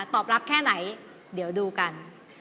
ตอบรับแค่ไหนเดี๋ยวดูกัน